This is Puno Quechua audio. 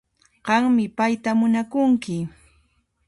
Qanmi payta munakunki